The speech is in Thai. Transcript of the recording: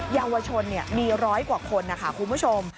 เยาวชนมีร้อยกว่าคนนะคะคุณผู้ชม